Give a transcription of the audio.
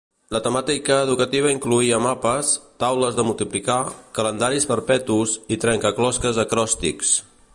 La temàtica educativa incloïa mapes, taules de multiplicar, calendaris perpetus i trencaclosques acròstics.